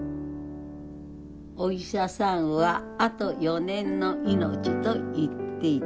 お医者さんはあと４年の命と言っていた。